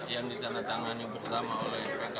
yang ditandatangani bersama oleh